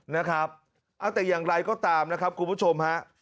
นะครับเอาแต่อย่างไรก็ตามนะครับคุณผู้ชมฮะ